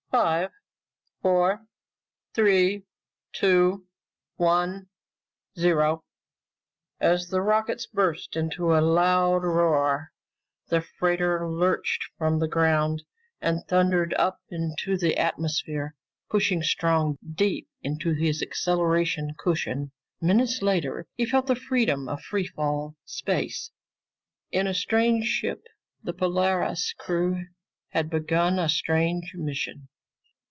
"... Five four three two one zero." As the rockets burst into a loud roar, the freighter lurched from the ground and thundered up into the atmosphere, pushing Strong deep into his acceleration cushion. Minutes later, he felt the freedom of free fall space. In a strange ship, the Polaris crew had begun a strange mission.